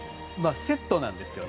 セットなんですよ